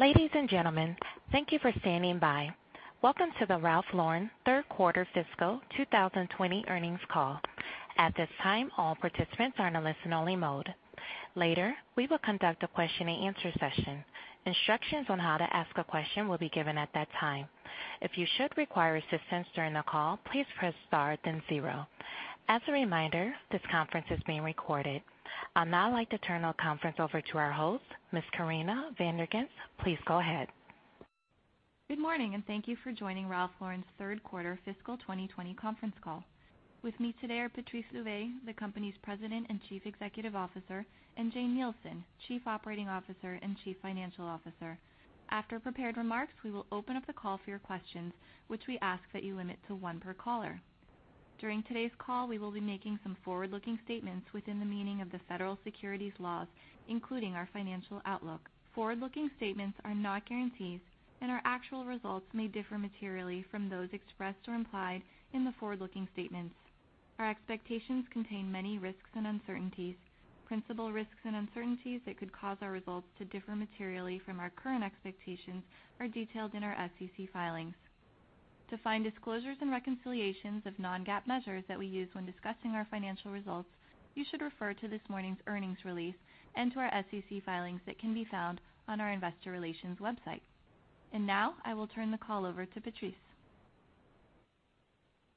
Ladies and gentlemen, thank you for standing by. Welcome to the Ralph Lauren Q3 fiscal 2020 earnings call. At this time, all participants are in a listen only mode. Later, we will conduct a question and answer session. Instructions on how to ask a question will be given at that time. If you should require assistance during the call, please press star then zero. As a reminder, this conference is being recorded. I'd now like to turn the conference over to our host, Ms. Corinna Van der Ghinst. Please go ahead. Good morning, and thank you for joining Ralph Lauren's Q3 fiscal 2020 conference call. With me today are Patrice Louvet, the company's President and Chief Executive Officer, and Jane Nielsen, Chief Operating Officer and Chief Financial Officer. After prepared remarks, we will open up the call for your questions, which we ask that you limit to one per caller. During today's call, we will be making some forward-looking statements within the meaning of the Federal Securities laws, including our financial outlook. Forward-looking statements are not guarantees, and our actual results may differ materially from those expressed or implied in the forward-looking statements. Our expectations contain many risks and uncertainties. Principal risks and uncertainties that could cause our results to differ materially from our current expectations are detailed in our SEC filings. To find disclosures and reconciliations of non-GAAP measures that we use when discussing our financial results, you should refer to this morning's earnings release and to our SEC filings that can be found on our investor relations website. Now, I will turn the call over to Patrice.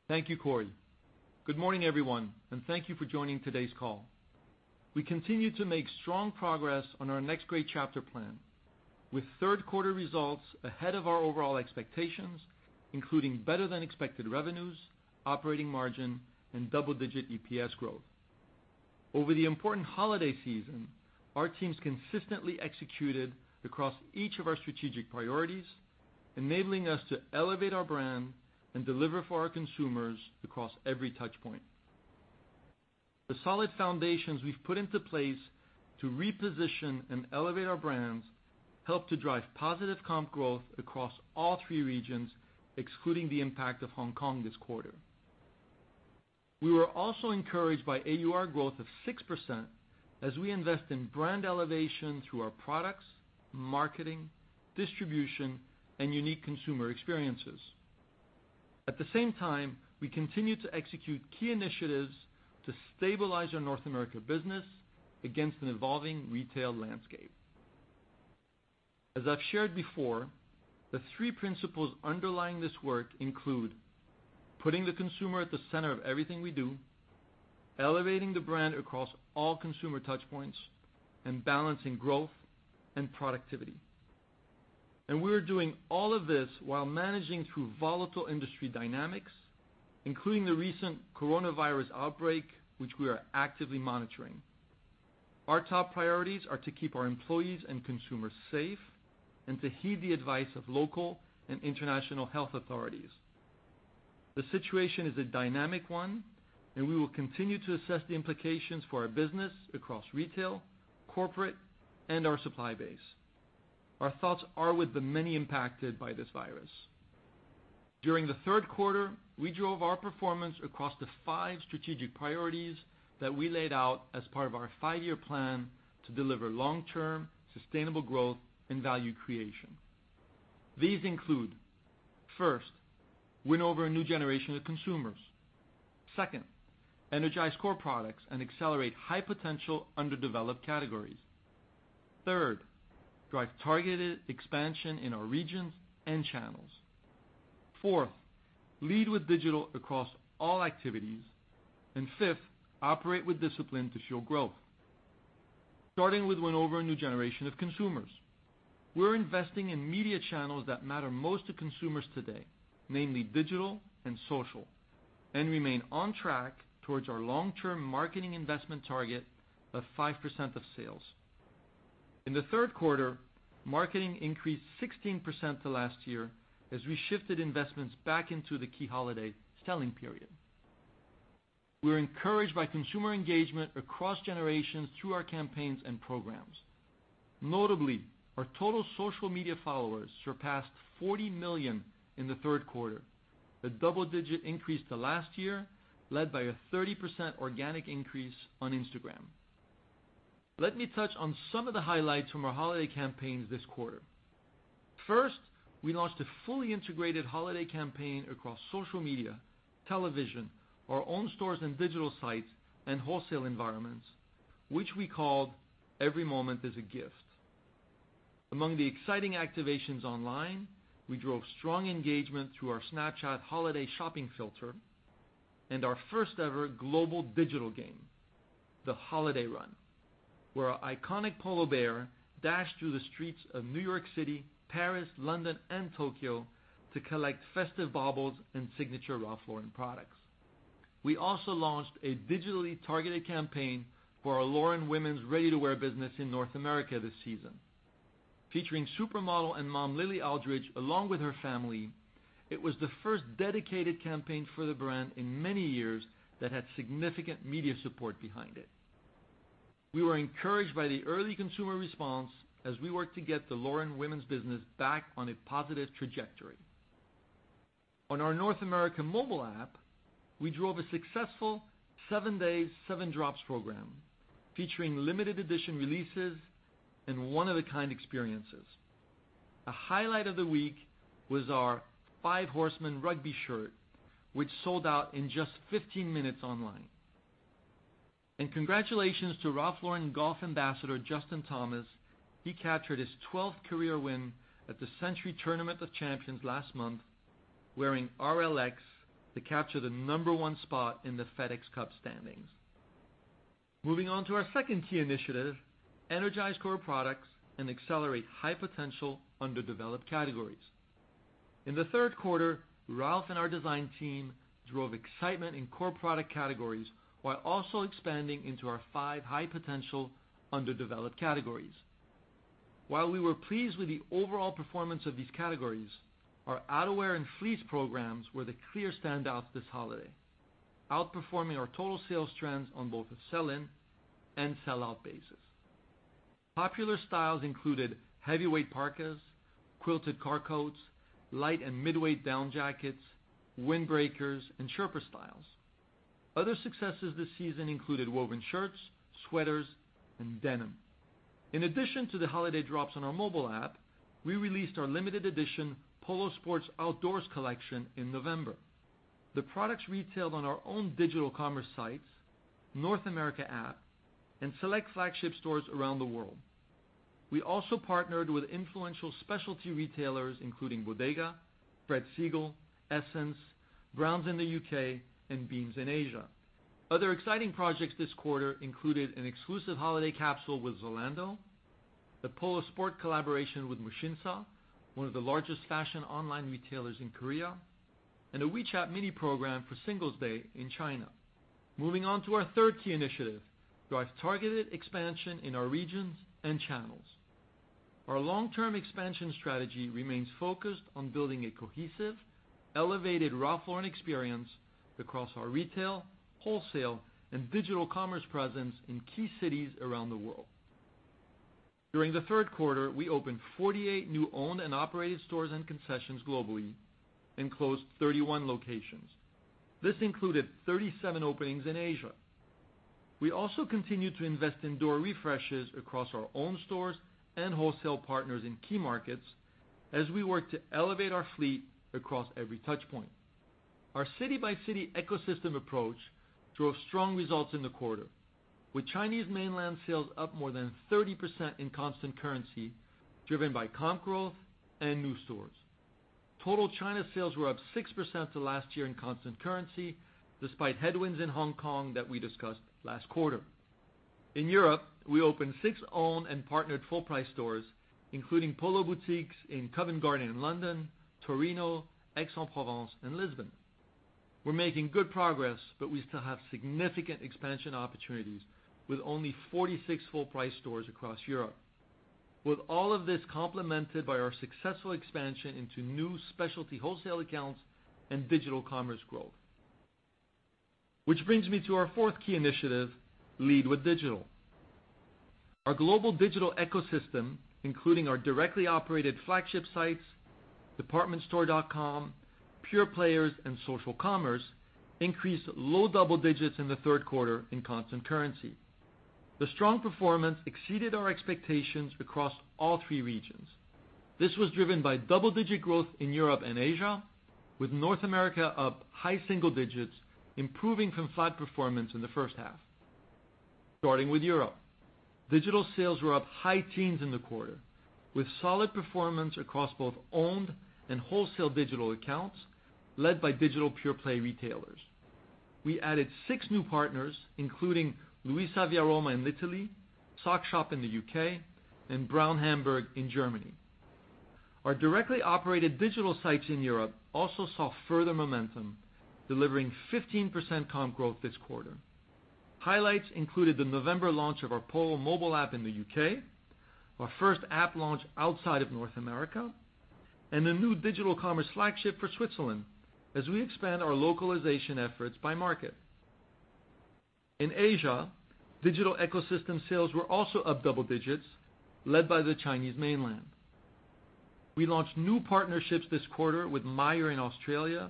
Thank you, Corinna. Good morning, everyone, and thank you for joining today's call. We continue to make strong progress on our Next Great Chapter plan, with Q3 results ahead of our overall expectations, including better than expected revenues, operating margin, and double-digit EPS growth. Over the important holiday season, our teams consistently executed across each of our strategic priorities, enabling us to elevate our brand and deliver for our consumers across every touch point. The solid foundations we've put into place to reposition and elevate our brands help to drive positive comp growth across all three regions, excluding the impact of Hong Kong this quarter. We were also encouraged by AUR growth of 6% as we invest in brand elevation through our products, marketing, distribution, and unique consumer experiences. At the same time, we continue to execute key initiatives to stabilize our North America business against an evolving retail landscape. As I've shared before, the three principles underlying this work include putting the consumer at the center of everything we do, elevating the brand across all consumer touch points, and balancing growth and productivity. We're doing all of this while managing through volatile industry dynamics, including the recent coronavirus outbreak, which we are actively monitoring. Our top priorities are to keep our employees and consumers safe and to heed the advice of local and international health authorities. The situation is a dynamic one, and we will continue to assess the implications for our business across retail, corporate, and our supply base. Our thoughts are with the many impacted by this virus. During the Q3, we drove our performance across the five strategic priorities that we laid out as part of our five-year plan to deliver long-term, sustainable growth and value creation. These include, first, win over a new generation of consumers. Second, energize core products and accelerate high-potential, underdeveloped categories. Third, drive targeted expansion in our regions and channels. Fourth, lead with digital across all activities, and fifth, operate with discipline to show growth. Starting with win over a new generation of consumers. We're investing in media channels that matter most to consumers today, namely digital and social, and remain on track towards our long-term marketing investment target of 5% of sales. In the Q3, marketing increased 16% to last year as we shifted investments back into the key holiday selling period. We're encouraged by consumer engagement across generations through our campaigns and programs. Notably, our total social media followers surpassed 40 million in the Q3, a double-digit increase to last year, led by a 30% organic increase on Instagram. Let me touch on some of the highlights from our holiday campaigns this quarter. First, we launched a fully integrated holiday campaign across social media, television, our own stores and digital sites, and wholesale environments, which we called Every Moment Is a Gift. Among the exciting activations online, we drove strong engagement through our Snapchat holiday shopping filter and our first ever global digital game, The Holiday Run, where our iconic Polo Bear dashed through the streets of New York City, Paris, London, and Tokyo to collect festive baubles and signature Ralph Lauren products. We also launched a digitally targeted campaign for our Lauren women's ready-to-wear business in North America this season. Featuring supermodel and mom Lily Aldridge along with her family, it was the first dedicated campaign for the brand in many years that had significant media support behind it. We were encouraged by the early consumer response as we worked to get the Lauren women's business back on a positive trajectory. On our North American mobile app, we drove a successful seven days, seven drops program featuring limited edition releases and one-of-a-kind experiences. A highlight of the week was our Five Horsemen rugby shirt, which sold out in just 15 minutes online. Congratulations to Ralph Lauren Golf Ambassador Justin Thomas. He captured his 12th career win at the Sentry Tournament of Champions last month, wearing RLX to capture the number one spot in the FedEx Cup standings. Moving on to our second key initiative, energize core products and accelerate high-potential, underdeveloped categories. In the Q3, Ralph and our design team drove excitement in core product categories while also expanding into our five high-potential, underdeveloped categories. While we were pleased with the overall performance of these categories, our outerwear and fleece programs were the clear standouts this holiday, outperforming our total sales trends on both a sell-in and sell-out basis. Popular styles included heavyweight parkas, quilted car coats, light and mid-weight down jackets, windbreakers, and Sherpa styles. Other successes this season included woven shirts, sweaters, and denim. In addition to the holiday drops on our mobile app, we released our limited edition Polo Sport outdoors collection in November. The products retailed on our own digital commerce sites, North America app, and select flagship stores around the world. We also partnered with influential specialty retailers including Bodega, Fred Segal, SSENSE, Browns in the U.K., and Beams in Asia. Other exciting projects this quarter included an exclusive holiday capsule with Zalando, the Polo Sport collaboration with Musinsa, one of the largest fashion online retailers in Korea, and a WeChat Mini Program for Singles Day in China. Moving on to our third key initiative, drive targeted expansion in our regions and channels. Our long-term expansion strategy remains focused on building a cohesive, elevated Ralph Lauren experience across our retail, wholesale, and digital commerce presence in key cities around the world. During the Q3, we opened 48 new owned and operated stores and concessions globally and closed 31 locations. This included 37 openings in Asia. We also continued to invest in store refreshes across our own stores and wholesale partners in key markets as we work to elevate our fleet across every touch point. Our city-by-city ecosystem approach drove strong results in the quarter, with Chinese mainland sales up more than 30% in constant currency, driven by comp growth and new stores. Total China sales were up 6% to last year in constant currency, despite headwinds in Hong Kong that we discussed last quarter. In Europe, we opened six owned and partnered full-price stores, including Polo boutiques in Covent Garden in London, Torino, Aix-en-Provence, and Lisbon. We're making good progress, but we still have significant expansion opportunities with only 46 full-price stores across Europe. With all of this complemented by our successful expansion into new specialty wholesale accounts and digital commerce growth. Which brings me to our fourth key initiative, lead with digital. Our global digital ecosystem, including our directly operated flagship sites, departmentstore.com, pure players, and social commerce, increased low double digits in the Q3 in constant currency. The strong performance exceeded our expectations across all three regions. This was driven by double-digit growth in Europe and Asia, with North America up high single digits, improving from flat performance in the H1. Starting with Europe, digital sales were up high teens in the quarter, with solid performance across both owned and wholesale digital accounts led by digital pure-play retailers. We added six new partners, including Luisa Via Roma in Italy, SockShop in the U.K., and Breuninger in Germany. Our directly operated digital sites in Europe also saw further momentum, delivering 15% comp growth this quarter. Highlights included the November launch of our Polo mobile app in the U.K., our first app launch outside of North America, and a new digital commerce flagship for Switzerland as we expand our localization efforts by market. In Asia, digital ecosystem sales were also up double digits, led by the Chinese mainland. We launched new partnerships this quarter with Myer in Australia,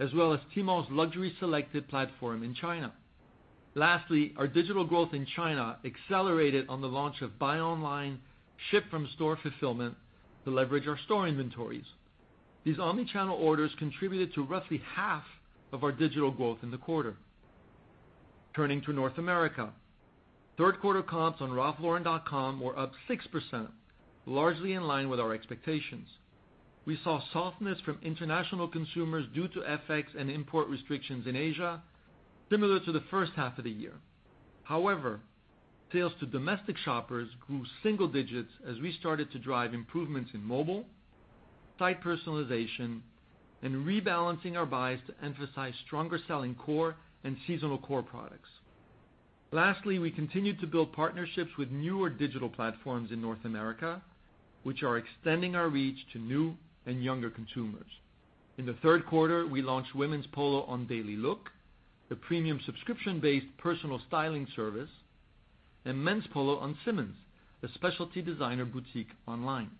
as well as Tmall's Luxury Selected platform in China. Our digital growth in China accelerated on the launch of buy online, ship from store fulfillment to leverage our store inventories. These omni-channel orders contributed to roughly half of our digital growth in the quarter. Turning to North America, Q3 comps on ralphlauren.com were up 6%, largely in line with our expectations. We saw softness from international consumers due to FX and import restrictions in Asia, similar to the H1 of the year. Sales to domestic shoppers grew single digits as we started to drive improvements in mobile, site personalization, and rebalancing our buys to emphasize stronger selling core and seasonal core products. Lastly, we continued to build partnerships with newer digital platforms in North America, which are extending our reach to new and younger consumers. In the Q3, we launched Women's Polo on DailyLook, the premium subscription-based personal styling service. Men's Polo on Simons, a specialty designer boutique online.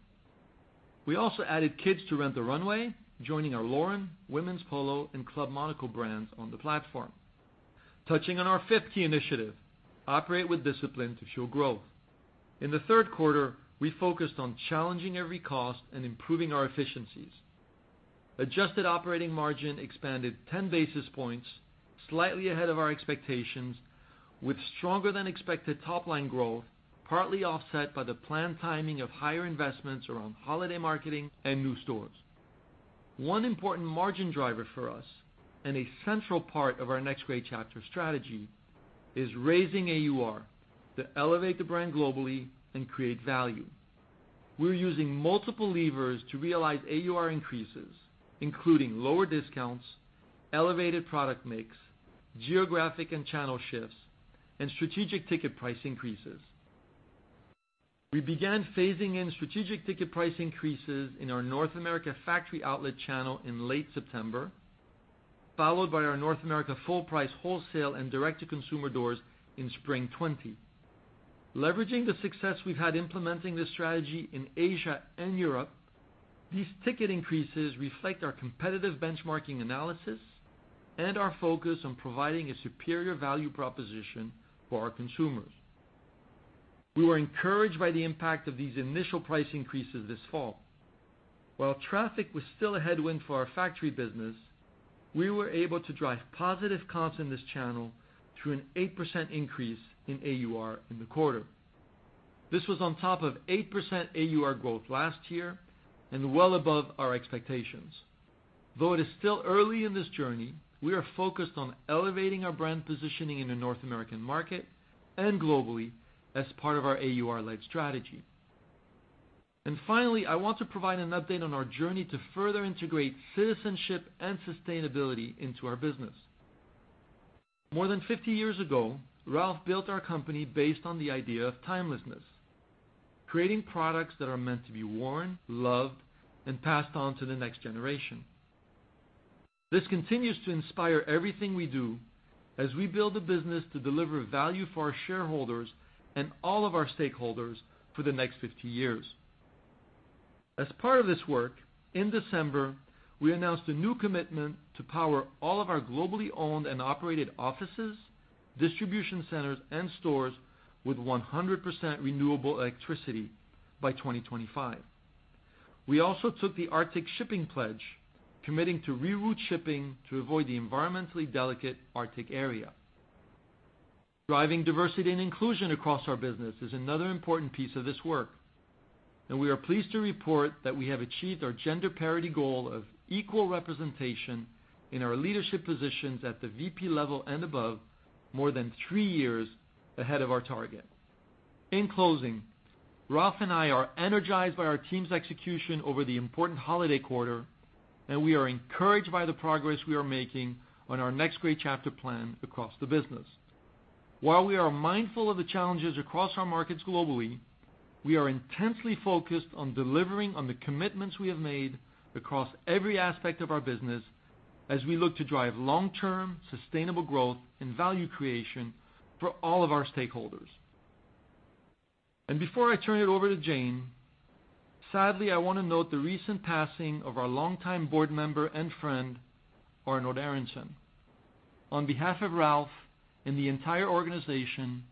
We also added Kids to Rent the Runway, joining our Lauren, Women's Polo, and Club Monaco brands on the platform. Touching on our fifth key initiative, operate with discipline to fuel growth. In the Q3, we focused on challenging every cost and improving our efficiencies. Adjusted operating margin expanded 10 basis points, slightly ahead of our expectations, with stronger than expected top-line growth, partly offset by the planned timing of higher investments around holiday marketing and new stores. One important margin driver for us, and a central part of our Next Great Chapter strategy, is raising AUR to elevate the brand globally and create value. We're using multiple levers to realize AUR increases, including lower discounts, elevated product mix, geographic and channel shifts, and strategic ticket price increases. We began phasing in strategic ticket price increases in our North America factory outlet channel in late September, followed by our North America full price wholesale and direct-to-consumer doors in spring 2020. Leveraging the success we've had implementing this strategy in Asia and Europe, these ticket increases reflect our competitive benchmarking analysis and our focus on providing a superior value proposition for our consumers. We were encouraged by the impact of these initial price increases this fall. While traffic was still a headwind for our factory business, we were able to drive positive comps in this channel through an 8% increase in AUR in the quarter. This was on top of 8% AUR growth last year and well above our expectations. Though it is still early in this journey, we are focused on elevating our brand positioning in the North American market and globally as part of our AUR-led strategy. Finally, I want to provide an update on our journey to further integrate citizenship and sustainability into our business. More than 50 years ago, Ralph built our company based on the idea of timelessness, creating products that are meant to be worn, loved, and passed on to the next generation. This continues to inspire everything we do as we build a business to deliver value for our shareholders and all of our stakeholders for the next 50 years. As part of this work, in December, we announced a new commitment to power all of our globally owned and operated offices, distribution centers, and stores with 100% renewable electricity by 2025. We also took the Arctic Shipping Pledge, committing to re-route shipping to avoid the environmentally delicate Arctic area. Driving diversity and inclusion across our business is another important piece of this work, and we are pleased to report that we have achieved our gender parity goal of equal representation in our leadership positions at the VP level and above, more than three years ahead of our target. In closing, Ralph and I are energized by our team's execution over the important holiday quarter, and we are encouraged by the progress we are making on our Next Great Chapter plan across the business. While we are mindful of the challenges across our markets globally, we are intensely focused on delivering on the commitments we have made across every aspect of our business as we look to drive long-term sustainable growth and value creation for all of our stakeholders. Before I turn it over to Jane, sadly, I want to note the recent passing of our longtime board member and friend, Arnold Aronson. On behalf of Ralph and the entire organization,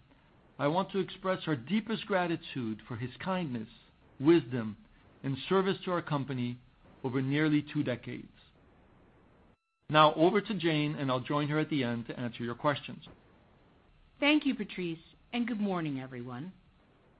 I want to express our deepest gratitude for his kindness, wisdom, and service to our company over nearly two decades. Over to Jane, and I'll join her at the end to answer your questions. Thank you, Patrice, and good morning, everyone.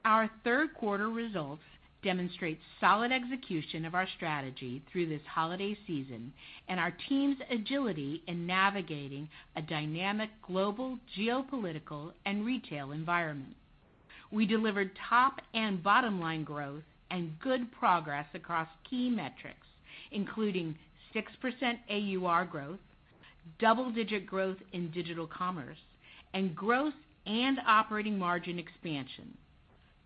Our Q3 results demonstrate solid execution of our strategy through this holiday season and our team's agility in navigating a dynamic global geopolitical and retail environment. We delivered top and bottom-line growth and good progress across key metrics, including 6% AUR growth, double-digit growth in digital commerce, and growth and operating margin expansion,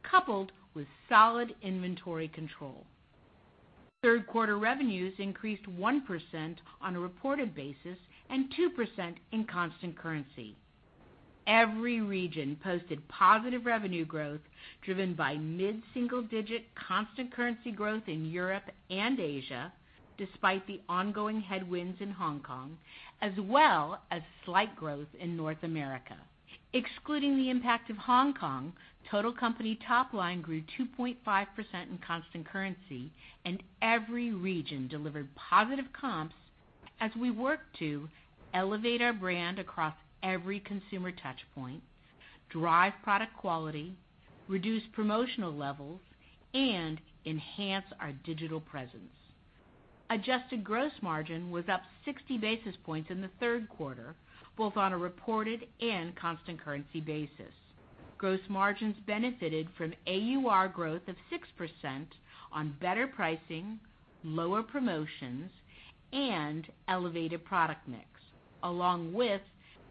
coupled with solid inventory control. Q3 revenues increased 1% on a reported basis and 2% in constant currency. Every region posted positive revenue growth driven by mid-single-digit constant currency growth in Europe and Asia, despite the ongoing headwinds in Hong Kong, as well as slight growth in North America. Excluding the impact of Hong Kong, total company top line grew 2.5% in constant currency. Every region delivered positive comps as we work to elevate our brand across every consumer touch point, drive product quality, reduce promotional levels, and enhance our digital presence. Adjusted gross margin was up 60 basis points in the Q3, both on a reported and constant currency basis. Gross margins benefited from AUR growth of 6% on better pricing, lower promotions, and elevated product mix, along with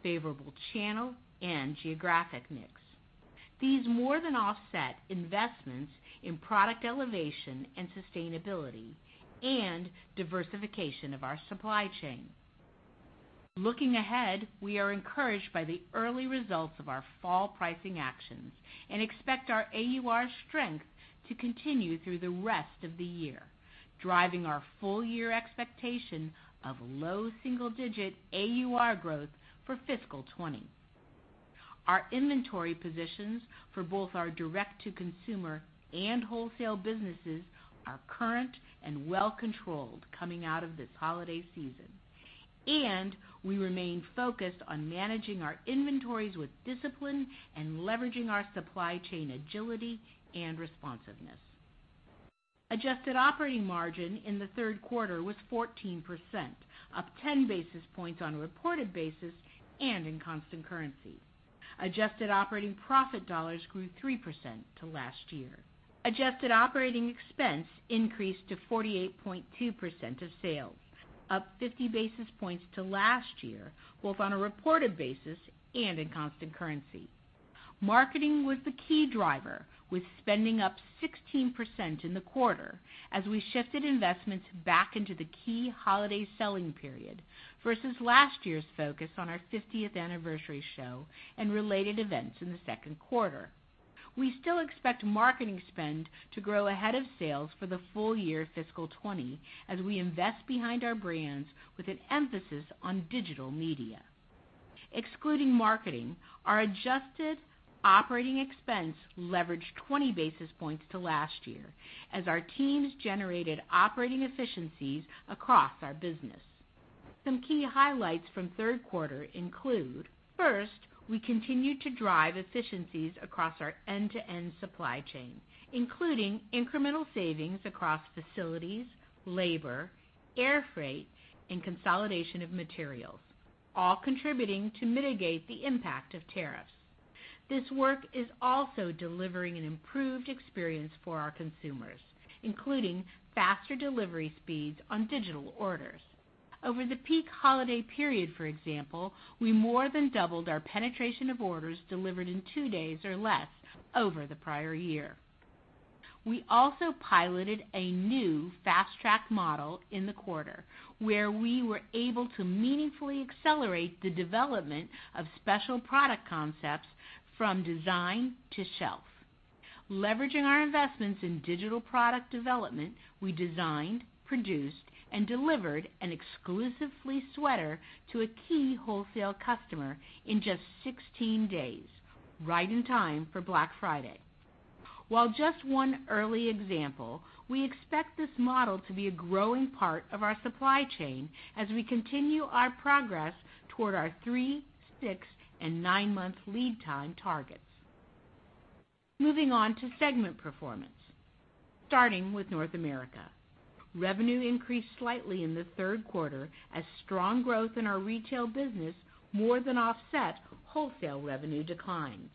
favorable channel and geographic mix. These more than offset investments in product elevation and sustainability and diversification of our supply chain. Looking ahead, we are encouraged by the early results of our fall pricing actions and expect our AUR strength to continue through the rest of the year, driving our full year expectation of low single-digit AUR growth for fiscal 2020. Our inventory positions for both our direct-to-consumer and wholesale businesses are current and well-controlled coming out of this holiday season, and we remain focused on managing our inventories with discipline and leveraging our supply chain agility and responsiveness. Adjusted operating margin in the Q3 was 14%, up 10 basis points on a reported basis and in constant currency. Adjusted operating profit dollars grew 3% to last year. Adjusted operating expense increased to 48.2% of sales, up 50 basis points to last year, both on a reported basis and in constant currency. Marketing was the key driver, with spending up 16% in the quarter as we shifted investments back into the key holiday selling period, versus last year's focus on our 50th anniversary show and related events in the Q2. We still expect marketing spend to grow ahead of sales for the full year fiscal 2020 as we invest behind our brands with an emphasis on digital media. Excluding marketing, our adjusted operating expense leveraged 20 basis points to last year as our teams generated operating efficiencies across our business. Some key highlights from Q3 include, first, we continued to drive efficiencies across our end-to-end supply chain, including incremental savings across facilities, labor, air freight, and consolidation of materials, all contributing to mitigate the impact of tariffs. This work is also delivering an improved experience for our consumers, including faster delivery speeds on digital orders. Over the peak holiday period, for example, we more than doubled our penetration of orders delivered in two days or less over the prior year. We also piloted a new fast-track model in the quarter where we were able to meaningfully accelerate the development of special product concepts from design to shelf. Leveraging our investments in digital product development, we designed, produced, and delivered an exclusive fleece sweater to a key wholesale customer in just 16 days, right on time for Black Friday. While just one early example, we expect this model to be a growing part of our supply chain as we continue our progress toward our three, six, and nine-month lead time targets. Moving on to segment performance, starting with North America. Revenue increased slightly in the Q3 as strong growth in our retail business more than offset wholesale revenue declines.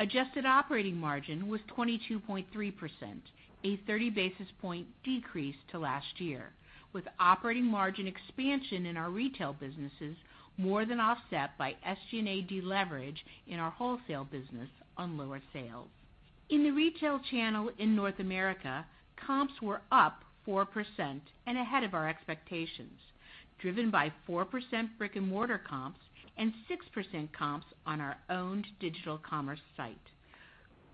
Adjusted operating margin was 22.3%, a 30 basis point decrease to last year, with operating margin expansion in our retail businesses more than offset by SG&A deleverage in our wholesale business on lower sales. In the retail channel in North America, comps were up 4% and ahead of our expectations, driven by 4% brick-and-mortar comps and 6% comps on our owned digital commerce site.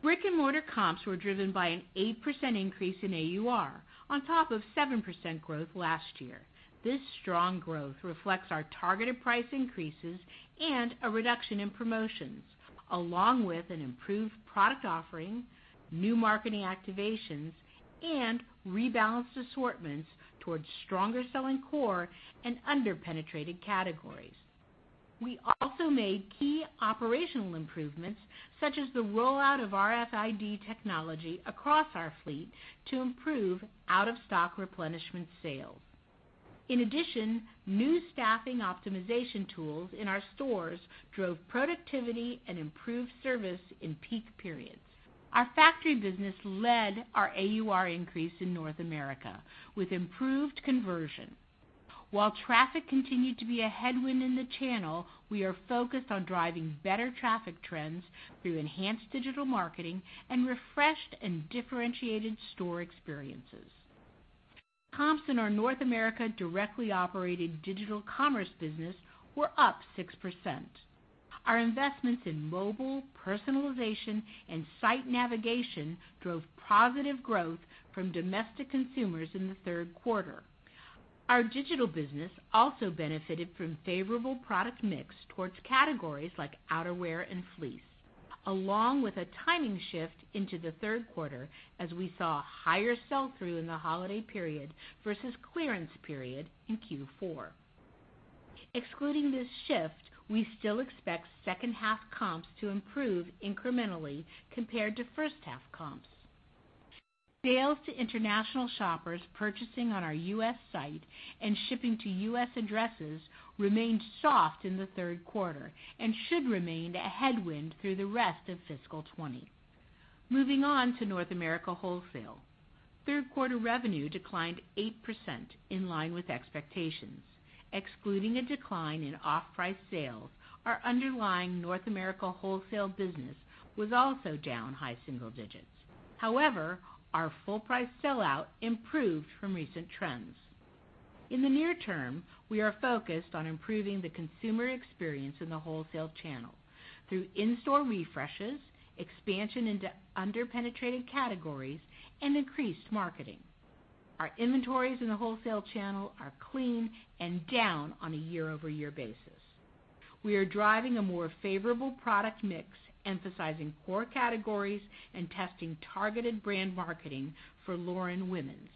Brick-and-mortar comps were driven by an 8% increase in AUR on top of 7% growth last year. This strong growth reflects our targeted price increases and a reduction in promotions, along with an improved product offering, new marketing activations, and rebalanced assortments towards stronger selling core and under-penetrated categories. We also made key operational improvements such as the rollout of RFID technology across our fleet to improve out-of-stock replenishment sales. In addition, new staffing optimization tools in our stores drove productivity and improved service in peak periods. Our factory business led our AUR increase in North America with improved conversion. While traffic continued to be a headwind in the channel, we are focused on driving better traffic trends through enhanced digital marketing and refreshed and differentiated store experiences. Comps in our North America directly operated digital commerce business were up 6%. Our investments in mobile, personalization, and site navigation drove positive growth from domestic consumers in the Q3. Our digital business also benefited from favorable product mix towards categories like outerwear and fleece, along with a timing shift into the Q3 as we saw higher sell-through in the holiday period versus clearance period in Q4. Excluding this shift, we still expect H2 comps to improve incrementally compared to H1 comps. Sales to international shoppers purchasing on our U.S. site and shipping to U.S. addresses remained soft in the Q3 and should remain a headwind through the rest of fiscal 2020. Moving on to North America wholesale. Q3 revenue declined 8%, in line with expectations. Excluding a decline in off-price sales, our underlying North America wholesale business was also down high single digits. However, our full price sell-out improved from recent trends. In the near term, we are focused on improving the consumer experience in the wholesale channel through in-store refreshes, expansion into under-penetrated categories, and increased marketing. Our inventories in the wholesale channel are clean and down on a year-over-year basis. We are driving a more favorable product mix, emphasizing core categories and testing targeted brand marketing for Lauren women's.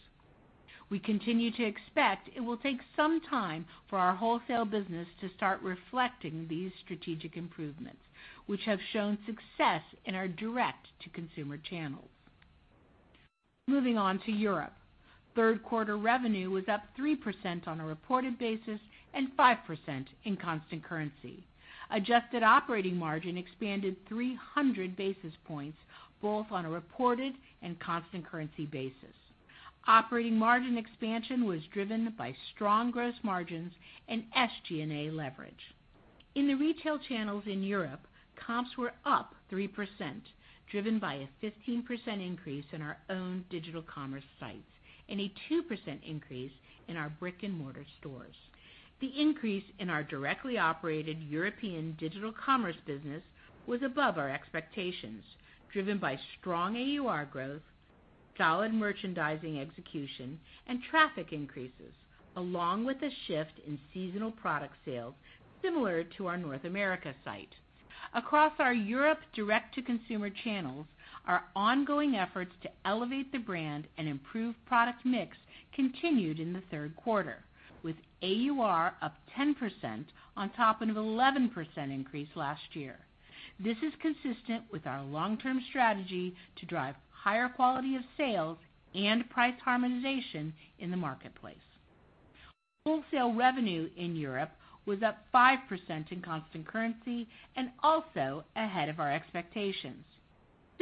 We continue to expect it will take some time for our wholesale business to start reflecting these strategic improvements, which have shown success in our direct-to-consumer channels. Moving on to Europe. Q3 revenue was up 3% on a reported basis and 5% in constant currency. Adjusted operating margin expanded 300 basis points both on a reported and constant currency basis. Operating margin expansion was driven by strong gross margins and SG&A leverage. In the retail channels in Europe, comps were up 3%, driven by a 15% increase in our own digital commerce sites and a 2% increase in our brick-and-mortar stores. The increase in our directly operated European digital commerce business was above our expectations, driven by strong AUR growth, solid merchandising execution, and traffic increases, along with a shift in seasonal product sales similar to our North America site. Across our Europe direct-to-consumer channels, our ongoing efforts to elevate the brand and improve product mix continued in the Q3, with AUR up 10% on top of an 11% increase last year. This is consistent with our long-term strategy to drive higher quality of sales and price harmonization in the marketplace. Wholesale revenue in Europe was up 5% in constant currency and also ahead of our expectations.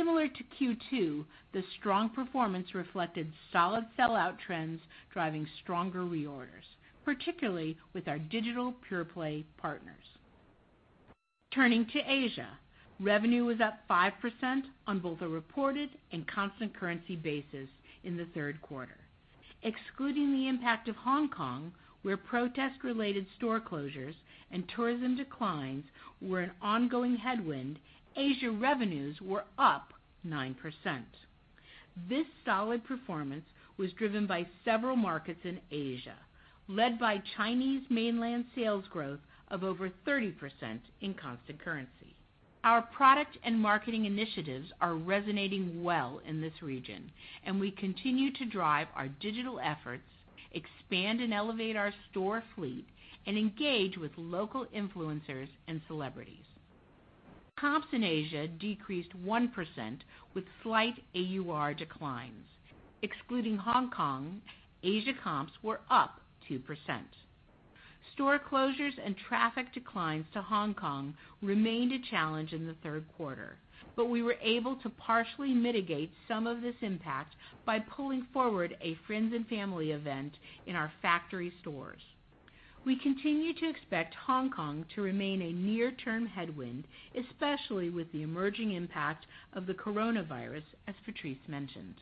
Similar to Q2, the strong performance reflected solid sell-out trends driving stronger reorders, particularly with our digital pure-play partners. Turning to Asia, revenue was up 5% on both a reported and constant currency basis in the Q3. Excluding the impact of Hong Kong, where protest-related store closures and tourism declines were an ongoing headwind, Asia revenues were up 9%. This solid performance was driven by several markets in Asia, led by Chinese mainland sales growth of over 30% in constant currency. Our product and marketing initiatives are resonating well in this region, and we continue to drive our digital efforts, expand and elevate our store fleet, and engage with local influencers and celebrities. Comps in Asia decreased 1% with slight AUR declines. Excluding Hong Kong, Asia comps were up 2%. Store closures and traffic declines to Hong Kong remained a challenge in the Q3, but we were able to partially mitigate some of this impact by pulling forward a friends and family event in our factory stores. We continue to expect Hong Kong to remain a near-term headwind, especially with the emerging impact of the coronavirus, as Patrice mentioned.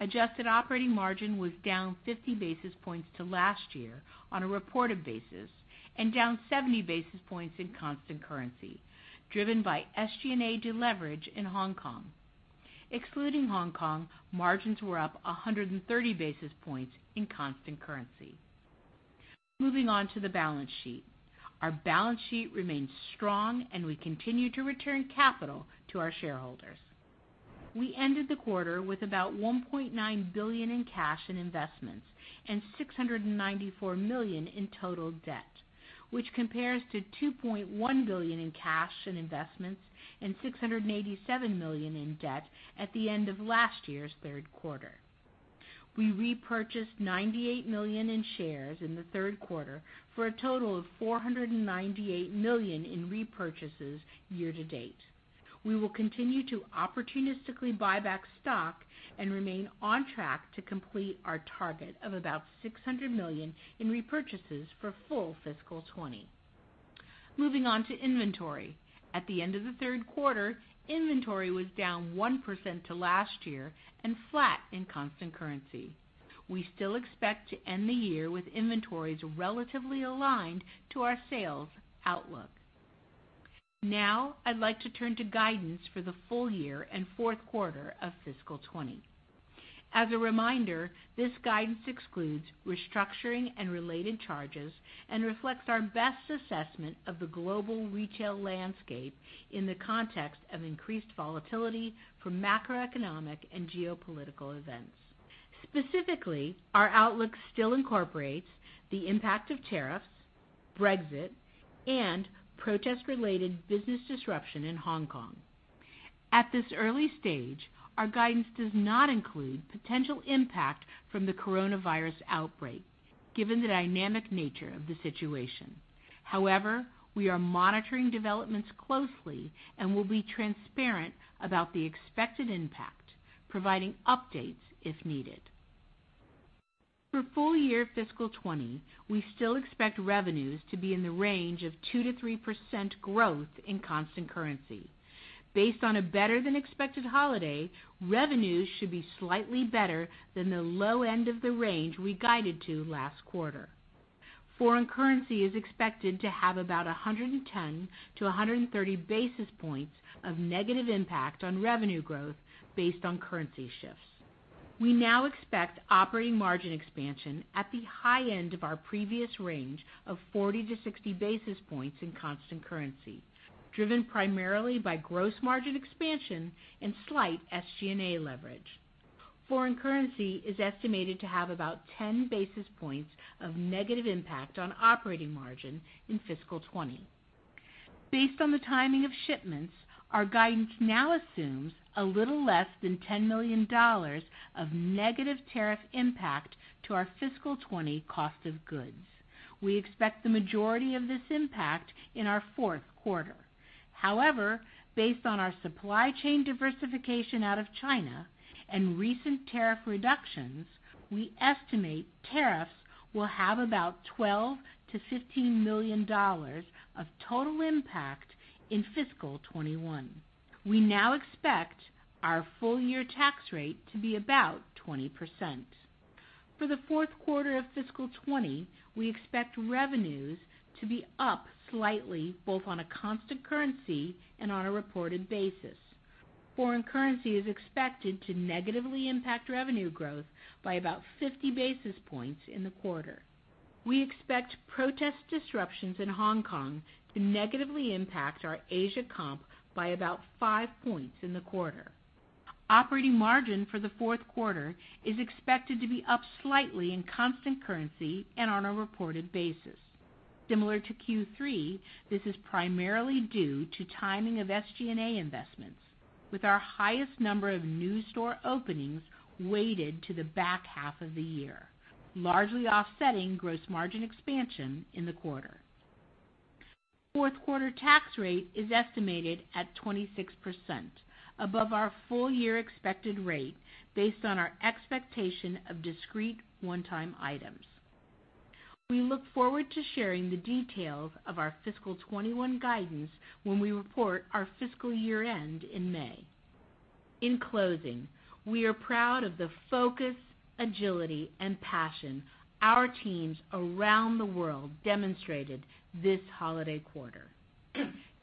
Adjusted operating margin was down 50 basis points to last year on a reported basis and down 70 basis points in constant currency, driven by SG&A deleverage in Hong Kong. Excluding Hong Kong, margins were up 130 basis points in constant currency. Moving on to the balance sheet. Our balance sheet remains strong, and we continue to return capital to our shareholders. We ended the quarter with about $1.9 billion in cash and investments and $694 million in total debt, which compares to $2.1 billion in cash and investments and $687 million in debt at the end of last year's Q3. We repurchased $98 million in shares in the Q3 for a total of $498 million in repurchases year to date. We will continue to opportunistically buy back stock and remain on track to complete our target of about $600 million in repurchases for full fiscal 2020. Moving on to inventory. At the end of the Q3, inventory was down 1% to last year and flat in constant currency. We still expect to end the year with inventories relatively aligned to our sales outlook. Now, I'd like to turn to guidance for the full year and Q4 of fiscal 2020. As a reminder, this guidance excludes restructuring and related charges and reflects our best assessment of the global retail landscape in the context of increased volatility from macroeconomic and geopolitical events. Specifically, our outlook still incorporates the impact of tariffs, Brexit, and protest-related business disruption in Hong Kong. At this early stage, our guidance does not include potential impact from the coronavirus outbreak, given the dynamic nature of the situation. However, we are monitoring developments closely and will be transparent about the expected impact, providing updates if needed. For full year fiscal 2020, we still expect revenues to be in the range of 2%-3% growth in constant currency. Based on a better-than-expected holiday, revenues should be slightly better than the low end of the range we guided to last quarter. Foreign currency is expected to have about 110-130 basis points of negative impact on revenue growth based on currency shifts. We now expect operating margin expansion at the high end of our previous range of 40-60 basis points in constant currency, driven primarily by gross margin expansion and slight SG&A leverage. Foreign currency is estimated to have about 10 basis points of negative impact on operating margin in fiscal 2020. Based on the timing of shipments, our guidance now assumes a little less than $10 million of negative tariff impact to our fiscal 2020 cost of goods. We expect the majority of this impact in our Q4. However, based on our supply chain diversification out of China and recent tariff reductions, we estimate tariffs will have about $12 million-$15 million of total impact in fiscal 2021. We now expect our full-year tax rate to be about 20%. For the Q4 of fiscal 2020, we expect revenues to be up slightly, both on a constant currency and on a reported basis. Foreign currency is expected to negatively impact revenue growth by about 50 basis points in the quarter. We expect protest disruptions in Hong Kong to negatively impact our Asia comp by about five points in the quarter. Operating margin for the Q4 is expected to be up slightly in constant currency and on a reported basis. Similar to Q3, this is primarily due to timing of SG&A investments, with our highest number of new store openings weighted to the back half of the year, largely offsetting gross margin expansion in the quarter. Q4 tax rate is estimated at 26%, above our full-year expected rate based on our expectation of discrete one-time items. We look forward to sharing the details of our fiscal 2021 guidance when we report our fiscal year-end in May. In closing, we are proud of the focus, agility, and passion our teams around the world demonstrated this holiday quarter.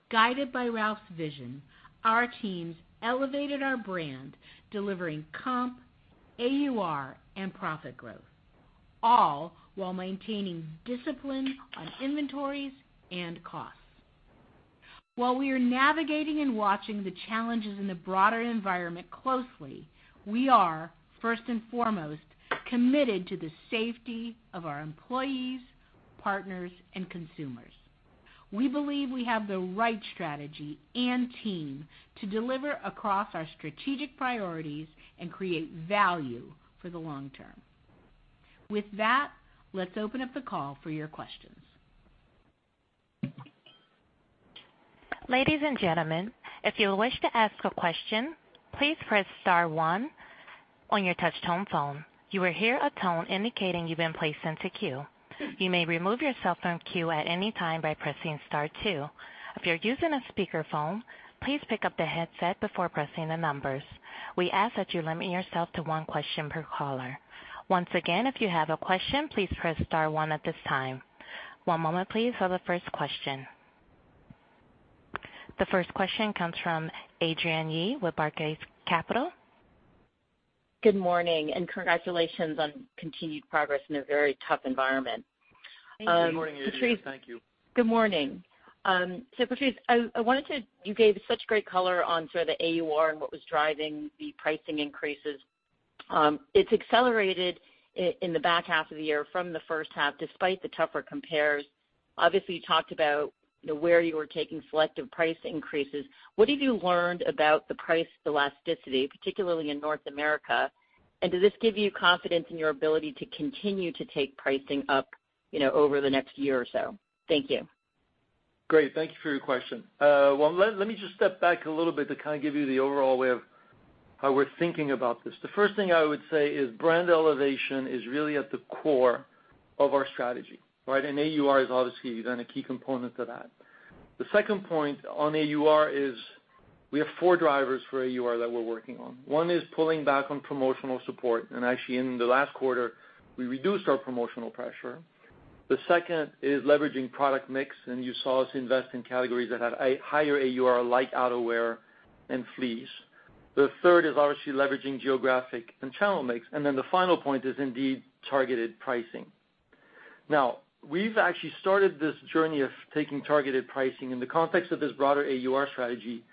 Guided by Ralph's vision, our teams elevated our brand, delivering comp, AUR, and profit growth, all while maintaining discipline on inventories and costs. While we are navigating and watching the challenges in the broader environment closely, we are, first and foremost, committed to the safety of our employees, partners, and consumers. We believe we have the right strategy and team to deliver across our strategic priorities and create value for the long term. With that, let's open up the call for your questions. Ladies and gentlemen, if you wish to ask a question, please press star one on your touchtone phone. You will hear a tone indicating you've been placed into queue. You may remove yourself from queue at any time by pressing star two. If you're using a speakerphone, please pick up the headset before pressing the numbers. We ask that you limit yourself to one question per caller. Once again, if you have a question, please press star one at this time. One moment, please, for the first question. The first question comes from Adrienne Yih with Barclays. Good morning. Congratulations on continued progress in a very tough environment. Good morning, Adrienne. Thank you. Good morning. Patrice, you gave such great color on sort of the AUR and what was driving the pricing increases. It's accelerated in the back half of the year from the H1, despite the tougher compares. Obviously, you talked about where you were taking selective price increases. What have you learned about the price elasticity, particularly in North America, and does this give you confidence in your ability to continue to take pricing up over the next year or so? Thank you. Great. Thank you for your question. Well, let me just step back a little bit to kind of give you the overall way of how we're thinking about this. The first thing I would say is brand elevation is really at the core of our strategy, right? AUR is obviously then a key component to that. The second point on AUR is we have four drivers for AUR that we're working on. One is pulling back on promotional support, and actually, in the last quarter, we reduced our promotional pressure. The second is leveraging product mix, and you saw us invest in categories that had a higher AUR, like outerwear and fleece. The third is obviously leveraging geographic and channel mix. The final point is indeed targeted pricing. We've actually started this journey of taking targeted pricing in the context of this broader AUR strategy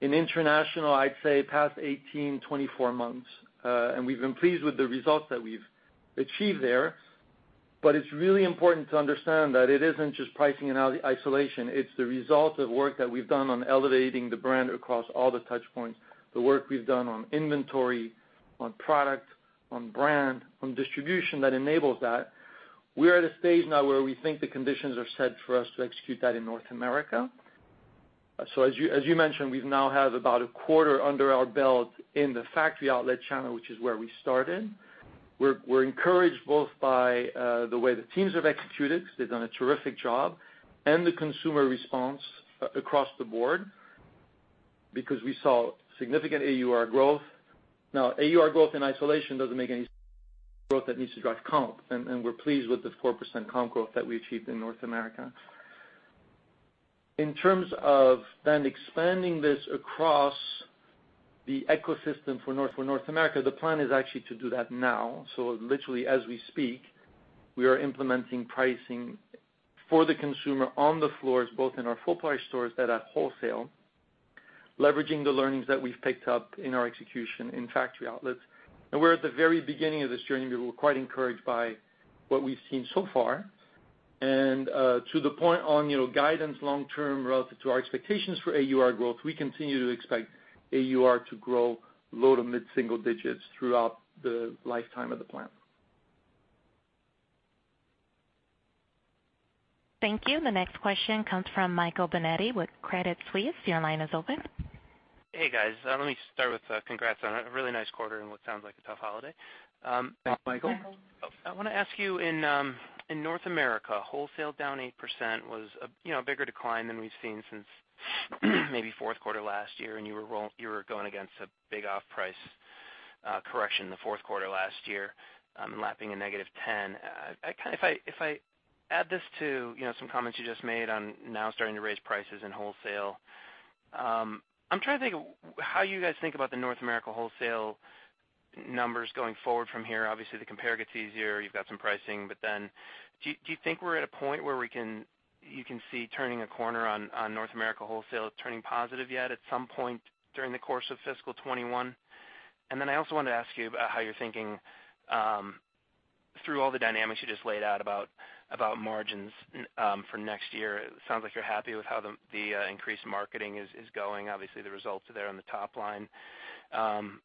in international, I'd say, past 18, 24 months, and we've been pleased with the results that we've achieved there. It's really important to understand that it isn't just pricing in isolation. It's the result of work that we've done on elevating the brand across all the touch points, The work we've done on inventory, on product, on brand, on distribution that enables that. As you mentioned, we now have about a quarter under our belt in the factory outlet channel, which is where we started. We're encouraged both by the way the teams have executed, because they've done a terrific job, and the consumer response across the board. Because we saw significant AUR growth. Now, AUR growth in isolation doesn't make any growth that needs to drive comp, and we're pleased with the 4% comp growth that we achieved in North America. In terms of then expanding this across the ecosystem for North America, the plan is actually to do that now. Literally as we speak, we are implementing pricing for the consumer on the floors, both in our full price stores and at wholesale, leveraging the learnings that we've picked up in our execution in factory outlets. We're at the very beginning of this journey, but we're quite encouraged by what we've seen so far. To the point on guidance long term relative to our expectations for AUR growth, we continue to expect AUR to grow low to mid single digits throughout the lifetime of the plan. Thank you. The next question comes from Michael Binetti with Credit Suisse. Your line is open. Hey, guys. Let me start with congrats on a really nice quarter in what sounds like a tough holiday. Thanks, Michael. I want to ask you, in North America, wholesale down 8% was a bigger decline than we've seen since maybe Q4 last year, and you were going against a big off-price correction the Q4 last year, lapping a -10%. If I add this to some comments you just made on now starting to raise prices in wholesale, I'm trying to think how you guys think about the North America wholesale numbers going forward from here. Obviously, the compare gets easier. You've got some pricing. Do you think we're at a point where you can see turning a corner on North America wholesale turning positive yet at some point during the course of fiscal 2021? I also wanted to ask you about how you're thinking through all the dynamics you just laid out about margins for next year. It sounds like you're happy with how the increased marketing is going. Obviously, the results are there on the top line. I'm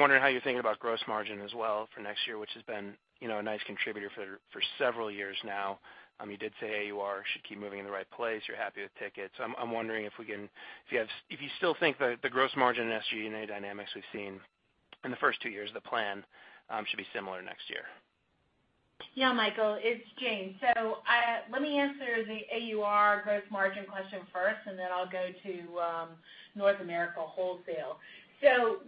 wondering how you're thinking about gross margin as well for next year, which has been a nice contributor for several years now. You did say AUR should keep moving in the right place. You're happy with tickets. I'm wondering if you still think the gross margin and SG&A dynamics we've seen in the first two years of the plan should be similar next year. Yeah, Michael, it's Jane. Let me answer the AUR gross margin question first, and then I'll go to North America wholesale.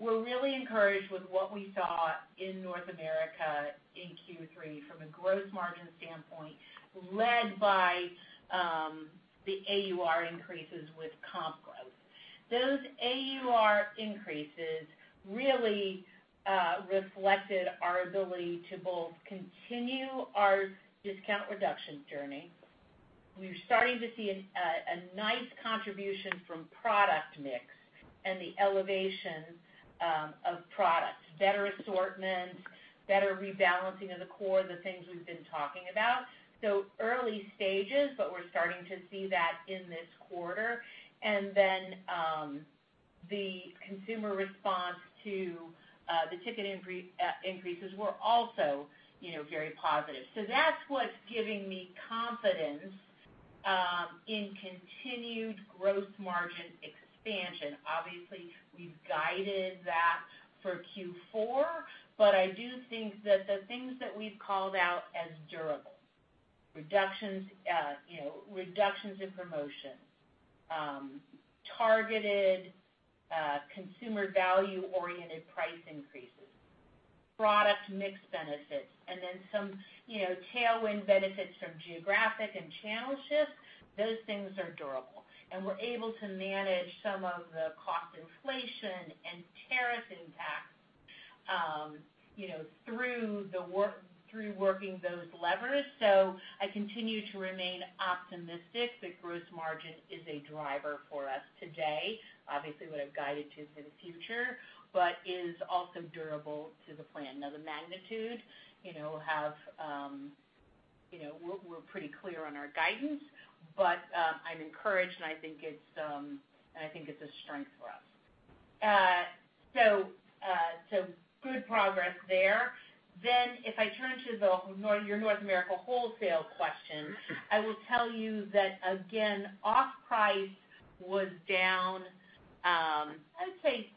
We're really encouraged with what we saw in North America in Q3 from a gross margin standpoint, led by the AUR increases with comp growth. Those AUR increases really reflected our ability to both continue our discount reduction journey. We're starting to see a nice contribution from product mix and the elevation of products, better assortments, better rebalancing of the core, the things we've been talking about. Early stages, but we're starting to see that in this quarter. The consumer response to the ticket increases were also very positive. That's what's giving me confidence in continued gross margin expansion. We've guided that for Q4, but I do think that the things that we've called out as durable, reductions in promotions, targeted consumer value-oriented price increases, product mix benefits, and then some tailwind benefits from geographic and channel shifts, those things are durable. We're able to manage some of the cost inflation and tariff impacts through working those levers. I continue to remain optimistic that gross margin is a driver for us today. What I've guided to for the future, but is also durable to the plan. The magnitude, we're pretty clear on our guidance, but I'm encouraged, and I think it's a strength for us. Good progress there. If I turn to your North America wholesale question, I will tell you that again, off-price was down, I would say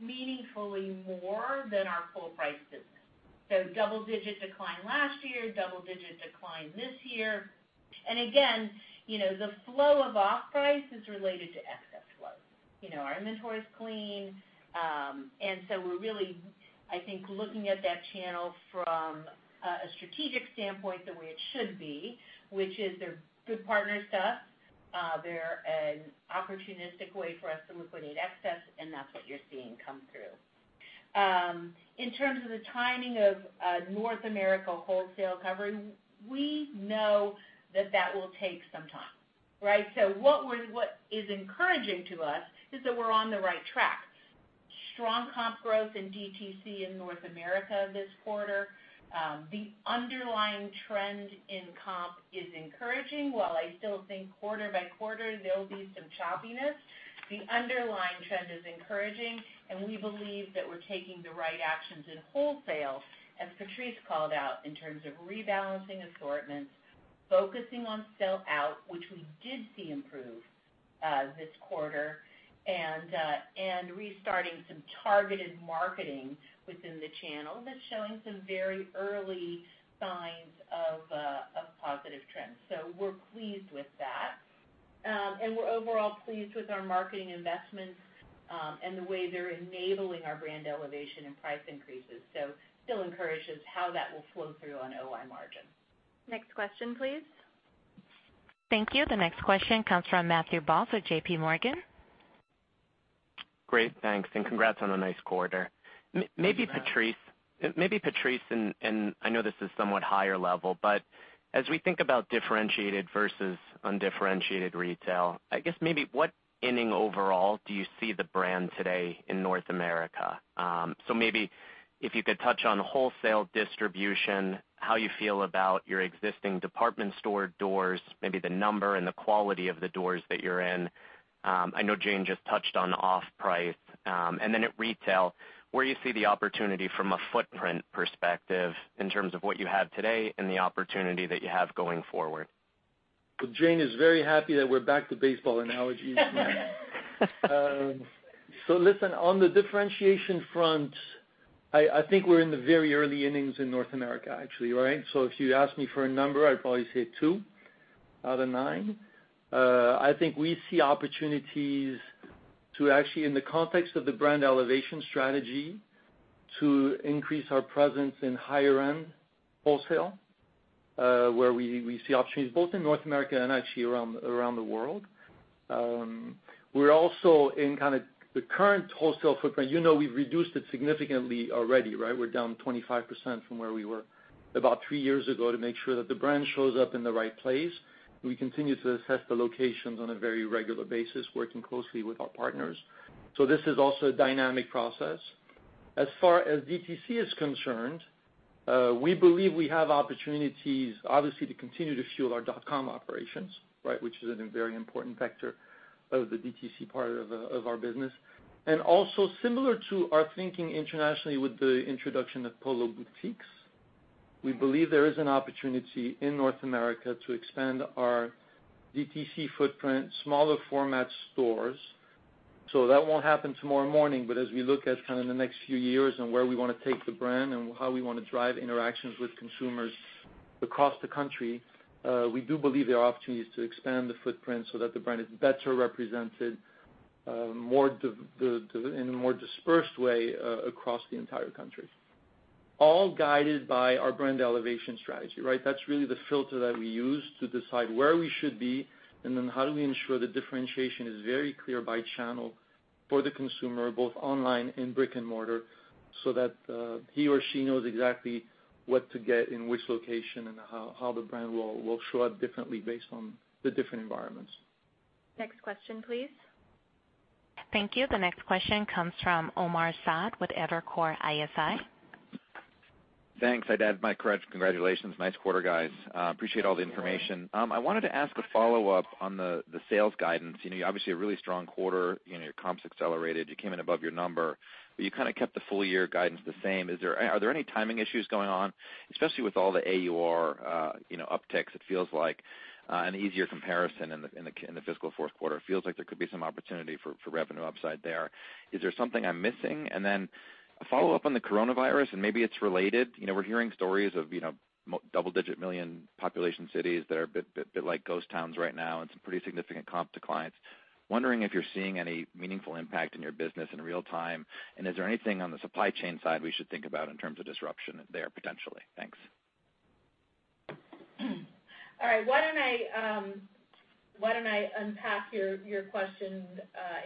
meaningfully more than our full price business. Double-digit decline last year, double-digit decline this year. Again, the flow of off-price is related to excess flow. Our inventory is clean. We're really, I think, looking at that channel from a strategic standpoint the way it should be, which is they're good partners to us. They're an opportunistic way for us to liquidate excess, and that's what you're seeing come through. In terms of the timing of North America wholesale recovery, we know that that will take some time, right? What is encouraging to us is that we're on the right track. Strong comp growth in DTC in North America this quarter. The underlying trend in comp is encouraging. While I still think quarter-by-quarter, there'll be some choppiness, the underlying trend is encouraging, and we believe that we're taking the right actions in wholesale, as Patrice called out, in terms of rebalancing assortments, focusing on sell out, Which we did see improve this quarter, and restarting some targeted marketing within the channel that's showing some very early signs of positive trends. We're pleased with that. We're overall pleased with our marketing investments, and the way they're enabling our brand elevation and price increases. Still encourages how that will flow through on OI margin. Next question, please. Thank you. The next question comes from Matthew Boss with JPMorgan. Great. Thanks. Congrats on a nice quarter. Maybe Patrice, I know this is somewhat higher level, as we think about differentiated versus undifferentiated retail, I guess maybe what inning overall do you see the brand today in North America? If you could touch on wholesale distribution, how you feel about your existing department store doors, maybe the number and the quality of the doors that you're in. I know Jane just touched on off-price. At retail, where you see the opportunity from a footprint perspective in terms of what you have today and the opportunity that you have going forward. Jane is very happy that we're back to baseball analogies. Listen, on the differentiation front, I think we're in the very early innings in North America, actually, right? If you ask me for a number, I'd probably say two out of nine. I think we see opportunities to actually, in the context of the brand elevation strategy, to increase our presence in higher-end wholesale, where we see opportunities both in North America and actually around the world. We're also in the current wholesale footprint. You know we've reduced it significantly already, right? We're down 25% from where we were about three years ago to make sure that the brand shows up in the right place. We continue to assess the locations on a very regular basis, working closely with our partners. This is also a dynamic process. As far as DTC is concerned, we believe we have opportunities, obviously, to continue to fuel our dotcom operations, right? Which is a very important factor of the DTC part of our business. Also similar to our thinking internationally with the introduction of Polo boutiques. We believe there is an opportunity in North America to expand our DTC footprint, smaller format stores. That won't happen tomorrow morning, but as we look at the next few years and where we want to take the brand and how we want to drive interactions with consumers across the country, we do believe there are opportunities to expand the footprint so that the brand is better represented, in a more dispersed way across the entire country. All guided by our brand elevation strategy, right? That's really the filter that we use to decide where we should be, and then how do we ensure the differentiation is very clear by channel for the consumer, both online and brick-and-mortar, so that he or she knows exactly what to get in which location and how the brand will show up differently based on the different environments. Next question, please. Thank you. The next question comes from Omar Saad with Evercore ISI. Thanks. I'd add my congratulations. Nice quarter, guys. Appreciate all the information. I wanted to ask a follow-up on the sales guidance. Obviously a really strong quarter. Your comps accelerated. You came in above your number, but you kept the full year guidance the same. Are there any timing issues going on? Especially with all the AUR upticks, it feels like an easier comparison in the fiscal Q4. It feels like there could be some opportunity for revenue upside there. Is there something I'm missing? A follow-up on the coronavirus, and maybe it's related. We're hearing stories of double-digit million population cities that are a bit like ghost towns right now, and some pretty significant comp declines. Wondering if you're seeing any meaningful impact in your business in real time? Is there anything on the supply chain side we should think about in terms of disruption there potentially? Thanks. All right. Why don't I unpack your question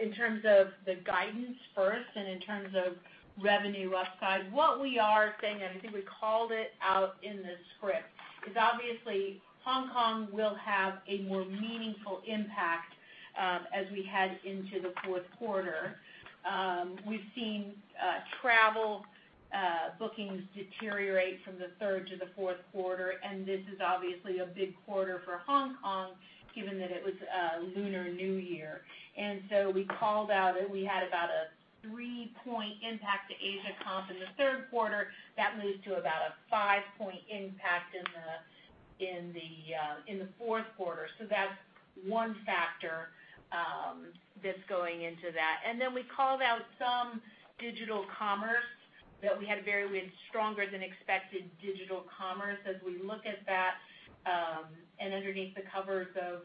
in terms of the guidance first and in terms of revenue upside. What we are saying, and I think we called it out in the script, is obviously Hong Kong will have a more meaningful impact as we head into the Q4. We've seen travel bookings deteriorate from the third to the Q4. This is obviously a big quarter for Hong Kong given that it was Lunar New Year. We called out that we had about a three-point impact to Asia comp in the Q3. That moves to about a five-point impact in the Q4. That's one factor that's going into that. We called out some digital commerce that we had very strong than expected digital commerce. As we look at that, underneath the covers of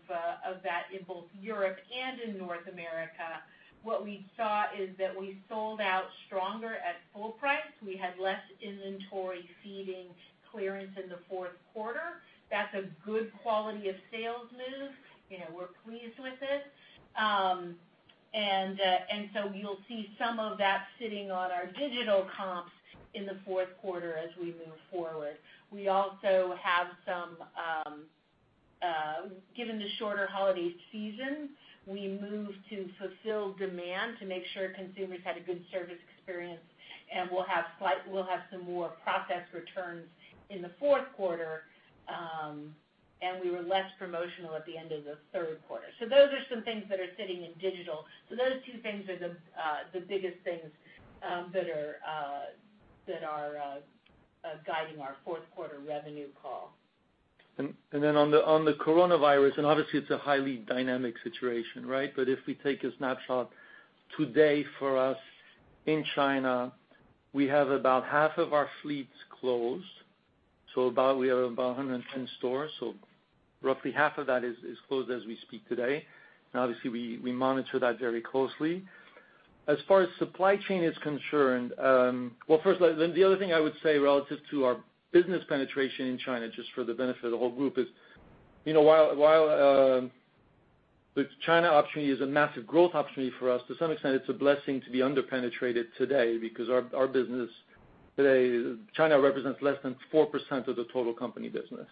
that in both Europe and in North America, what we saw is that we sold out stronger at full price. We had less inventory feeding clearance in the Q4. That's a good quality of sales move. We're pleased with it. You'll see some of that sitting on our digital comps in the Q4 as we move forward. Given the shorter holiday season, we moved to fulfill demand to make sure consumers had a good service experience, and we'll have some more processed returns in the Q4. We were less promotional at the end of the Q3. Those are some things that are sitting in digital. Those two things are the biggest things that are guiding our Q4 revenue call. On the coronavirus, it's a highly dynamic situation. If we take a snapshot today for us in China, we have about half of our fleets closed. We have about 110 stores. Roughly half of that is closed as we speak today. Obviously, we monitor that very closely. As far as supply chain is concerned, the other thing I would say relative to our business penetration in China, Just for the benefit of the whole group is, while the China opportunity is a massive growth opportunity for us, to some extent, it's a blessing to be under-penetrated today because our business today, China represents less than 4% of the total company business.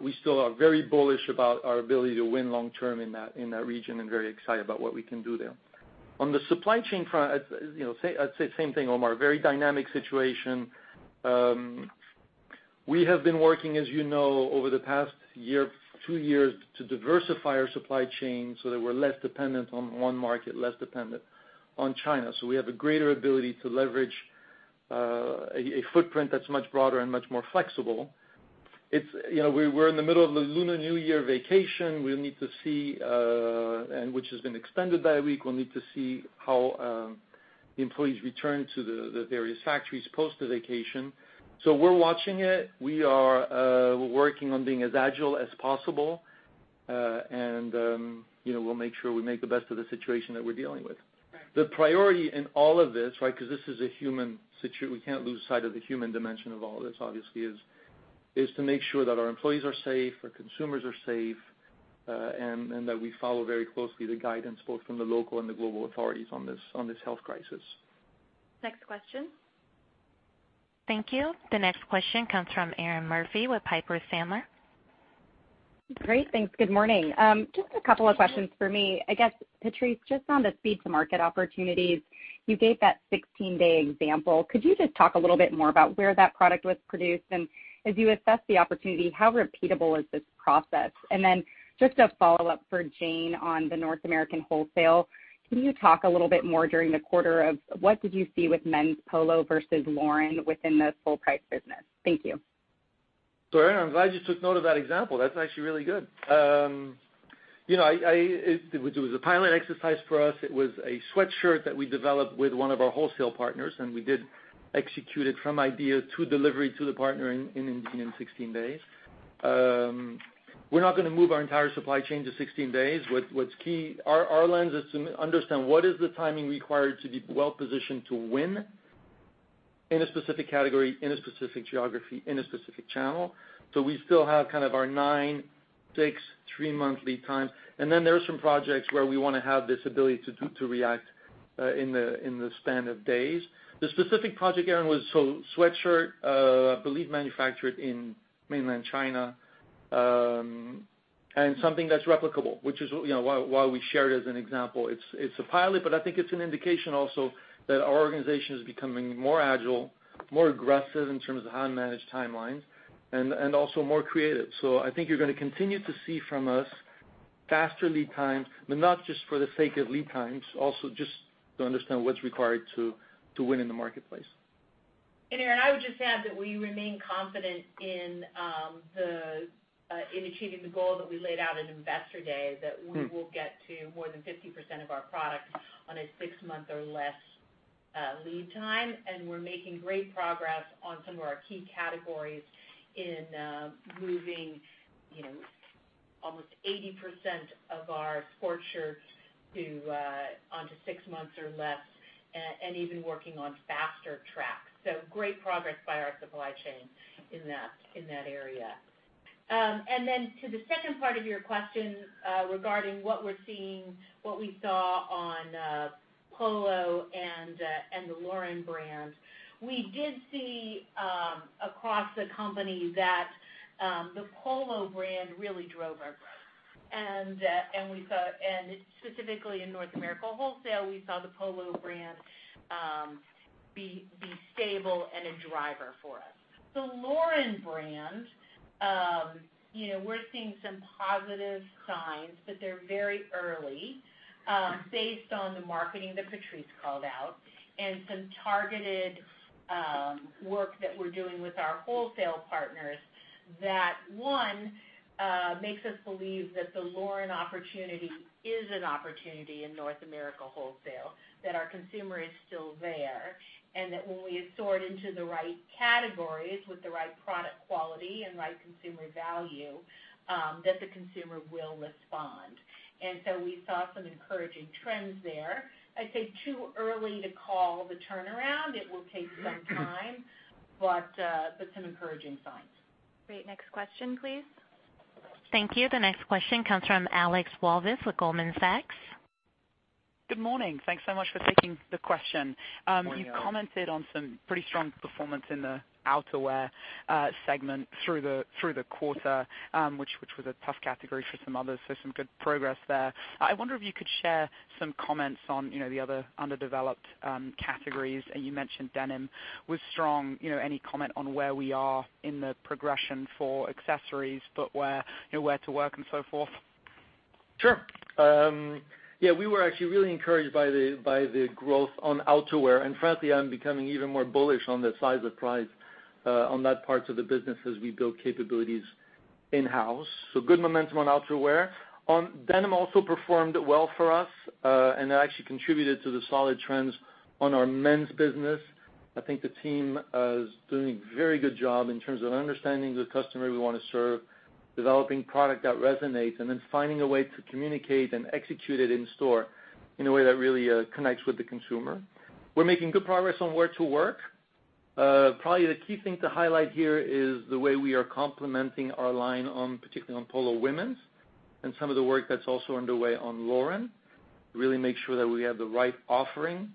We still are very bullish about our ability to win long term in that region and very excited about what we can do there. On the supply chain front, I'd say the same thing, Omar, very dynamic situation. We have been working, as you know, over the past year, two years to diversify our supply chain so that we're less dependent on one market, less dependent on China. We have a greater ability to leverage a footprint that's much broader and much more flexible. We're in the middle of the Lunar New Year vacation, which has been extended by a week. We'll need to see how the employees return to the various factories post the vacation. We're watching it. We are working on being as agile as possible. We'll make sure we make the best of the situation that we're dealing with. Right. The priority in all of this, because this is a human situation. We can't lose sight of the human dimension of all this, obviously, is to make sure that our employees are safe, our consumers are safe, and that we follow very closely the guidance, both from the local and the global authorities on this health crisis. Next question. Thank you. The next question comes from Erinn Murphy with Piper Sandler. Great. Thanks. Good morning. Just a couple of questions for me. I guess, Patrice, just on the speed to market opportunities, you gave that 16-day example. Could you just talk a little bit more about where that product was produced? As you assess the opportunity, how repeatable is this process? Just a follow-up for Jane on the North American wholesale, can you talk a little bit more during the quarter of what did you see with men's Polo versus Lauren within the full-price business? Thank you. Erinn, I'm glad you took note of that example. That's actually really good. It was a pilot exercise for us. It was a sweatshirt that we developed with one of our wholesale partners, and we did execute it from idea to delivery to the partner in 16 days. We're not gonna move our entire supply chain to 16 days. What's key, our lens is to understand what is the timing required to be well-positioned to win in a specific category, in a specific geography, in a specific channel. We still have our nine, six, three-month lead times. There are some projects where we wanna have this ability to react in the span of days. The specific project, Erinn, was sweatshirt, I believe, manufactured in mainland China, and something that's replicable, which is why we shared it as an example. It's a pilot. I think it's an indication also that our organization is becoming more agile, more aggressive in terms of how to manage timelines, and also more creative. I think you're gonna continue to see from us faster lead times, but not just for the sake of lead times, also just to understand what's required to win in the marketplace. Erinn, I would just add that we remain confident in achieving the goal that we laid out at Investor Day, that we will get to more than 50% of our products on a six month or less lead time. We're making great progress on some of our key categories in moving almost 80% of our sports shirts onto six months or less, and even working on faster tracks. Great progress by our supply chain in that area. To the second part of your question regarding what we're seeing, what we saw on Polo and the Lauren brand. We did see across the company that the Polo brand really drove our growth. Specifically in North America wholesale, we saw the Polo brand be stable and a driver for us. The Lauren brand, we're seeing some positive signs, but they're very early. Based on the marketing that Patrice called out and some targeted work that we're doing with our wholesale partners that, one, makes us believe that the Lauren opportunity is an opportunity in North America wholesale, that our consumer is still there, and that when we assort into the right categories with the right product quality and right consumer value, that the consumer will respond. We saw some encouraging trends there. I'd say too early to call the turnaround. It will take some time, but some encouraging signs. Great. Next question, please. Thank you. The next question comes from Alexandra Walvis with Goldman Sachs. Good morning. Thanks so much for taking the question. Morning, Alexandra. You commented on some pretty strong performance in the outerwear segment through the quarter, which was a tough category for some others, so some good progress there. I wonder if you could share some comments on the other underdeveloped categories. You mentioned denim was strong. Any comment on where we are in the progression for accessories, footwear, wear to work, and so forth? Sure. We were actually really encouraged by the growth on outerwear. Frankly, I'm becoming even more bullish on the size of prize on that part of the business as we build capabilities in-house. Good momentum on outerwear. Denim also performed well for us, and that actually contributed to the solid trends on our men's business. I think the team is doing a very good job in terms of understanding the customer we want to serve, developing product that resonates, and then finding a way to communicate and execute it in store in a way that really connects with the consumer. We're making good progress on wear to work. Probably the key thing to highlight here is the way we are complementing our line, particularly on Polo Women's, and some of the work that's also underway on Lauren, to really make sure that we have the right offering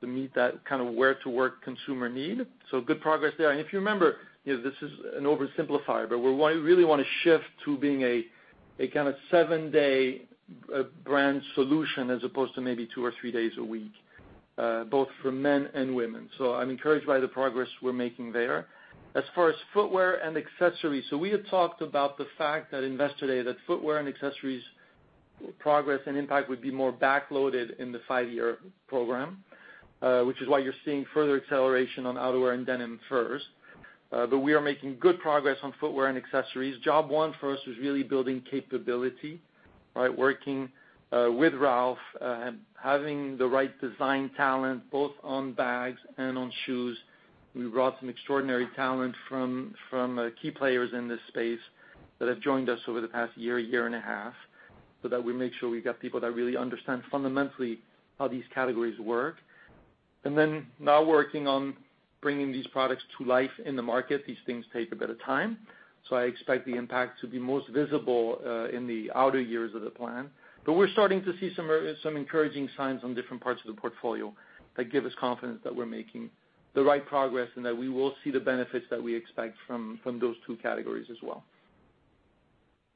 to meet that wear to work consumer need. Good progress there. If you remember, this is an oversimplifier, but we really want to shift to being a kind of seven-day brand solution as opposed to maybe two or three days a week, both for men and women. I'm encouraged by the progress we're making there. As far as footwear and accessories, we had talked about the fact at Investor Day that footwear and accessories progress and impact would be more backloaded in the five-year program, which is why you're seeing further acceleration on outerwear and denim first. We are making good progress on footwear and accessories. Job one for us was really building capability. Working with Ralph, having the right design talent, both on bags and on shoes. We brought some extraordinary talent from key players in this space that have joined us over the past year and a half, so that we make sure we got people that really understand fundamentally how these categories work. Now working on bringing these products to life in the market. These things take a bit of time, so I expect the impact to be most visible in the outer years of the plan. We're starting to see some encouraging signs on different parts of the portfolio that give us confidence that we're making the right progress, and that we will see the benefits that we expect from those two categories as well.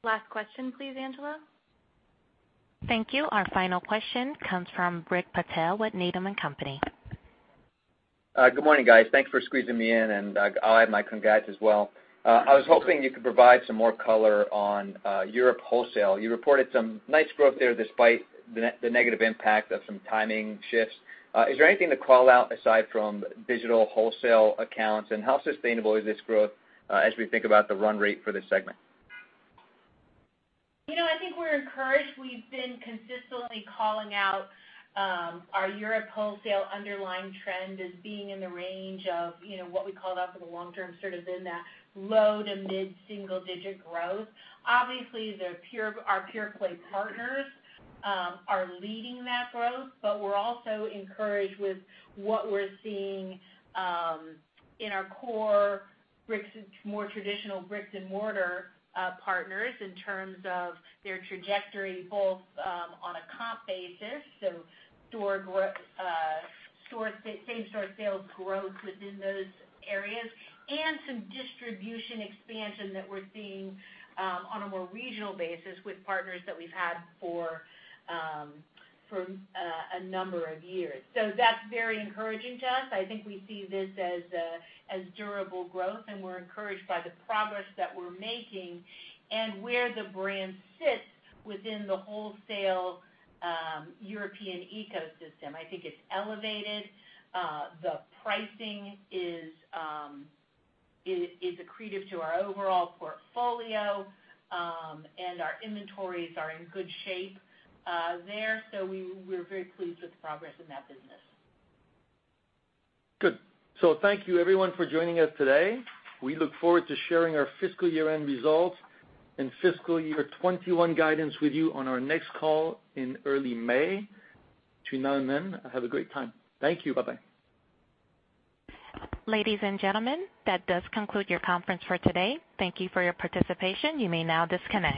Last question please, Angela. Thank you. Our final question comes from Rick Patel with Needham & Company. Good morning, guys. Thanks for squeezing me in. I'll add my congrats as well. I was hoping you could provide some more color on Europe wholesale. You reported some nice growth there despite the negative impact of some timing shifts. Is there anything to call out aside from digital wholesale accounts? How sustainable is this growth as we think about the run rate for this segment? I think we're encouraged. We've been consistently calling out our Europe wholesale underlying trend as being in the range of what we called out for the long term, sort of in that low to mid single digit growth. Obviously, our pure play partners are leading that growth, but we're also encouraged with what we're seeing in our core, more traditional bricks and mortar partners in terms of their trajectory, Both on a comp basis, so same-store sales growth within those areas, and some distribution expansion that we're seeing on a more regional basis with partners that we've had for a number of years. That's very encouraging to us. I think we see this as durable growth, and we're encouraged by the progress that we're making and where the brand sits within the wholesale European ecosystem. I think it's elevated. The pricing is accretive to our overall portfolio, and our inventories are in good shape there. We're very pleased with the progress in that business. Good. Thank you everyone for joining us today. We look forward to sharing our fiscal year-end results and fiscal year 2021 guidance with you on our next call in early May. Between now and then, have a great time. Thank you. Bye-bye. Ladies and gentlemen, that does conclude your conference for today. Thank you for your participation. You may now disconnect.